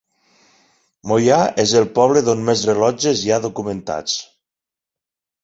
Moià és el poble d'on més rellotges hi ha documentats.